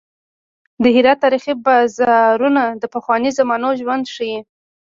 د هرات تاریخي بازارونه د پخوانیو زمانو ژوند ښيي.